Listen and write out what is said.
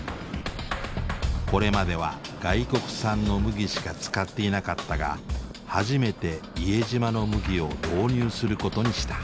これまでは外国産の麦しか使っていなかったが初めて伊江島の麦を導入することにした。